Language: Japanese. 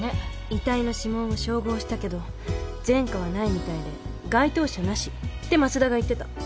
遺体の指紋を照合したけど前科はないみたいで該当者なしって松田が言ってた。